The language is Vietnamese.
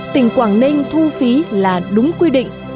rừng quảng ninh thu phí là đúng quy định